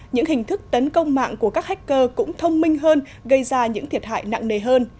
những hình thức tấn công mạng của các hacker cũng thông minh hơn gây ra những thiệt hại nặng nề hơn